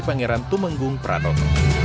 di pangeran tumenggung pratok